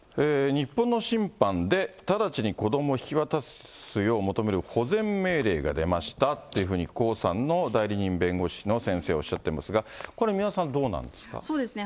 日本の審判で、直ちに子どもを引き渡すよう求める保全命令が出ましたっていうふうに、江さんの代理人弁護士の先生はおっしゃっていますが、これ、三輪さん、そうですね。